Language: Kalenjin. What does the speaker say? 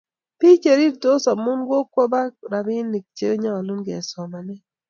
bik cherirtos amun kokwo bak rabinik che nyalun ke somane